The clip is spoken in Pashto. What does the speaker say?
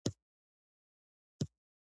هغه د غروب په بڼه د مینې سمبول جوړ کړ.